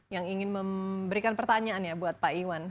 yang ingin memberikan pertanyaan ya buat pak iwan